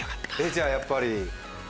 じゃあやっぱり。